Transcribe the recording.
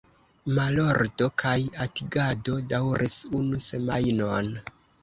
Malordo kaj agitado daŭris unu semajnon.